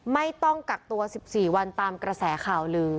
ไม่ต้องกักตัว๑๔วันตามกระแสข่าวลือ